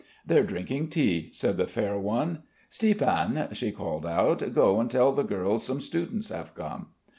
"They're drinking tea," said the fair one. "Stiepan," she called out. "Go and tell the girls some students have come!"